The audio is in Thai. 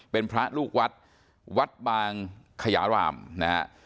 เป็นพระลูกวัดวัดบางขยารามนะฮะ